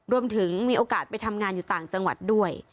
มีโอกาสไปทำงานอยู่ต่างจังหวัดด้วย